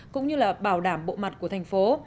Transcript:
cũng như là bảo đảm bộ mặt của thành phố